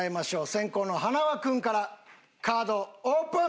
先攻の塙君からカードオープン！